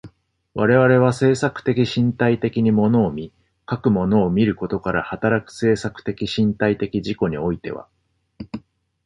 我々は制作的身体的に物を見、かく物を見ることから働く制作的身体的自己においては、